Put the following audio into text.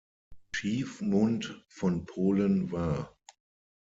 Schiefmund von Polen war.